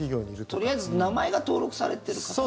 とりあえず名前が登録されてる方。